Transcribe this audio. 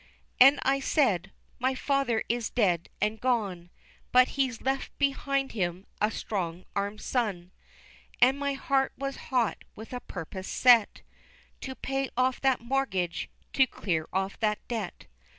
And I said, my father is dead and gone, But he's left behind him a strong armed son, And my heart was hot with a purpose set, To pay off that mortgage, to clear off that debt.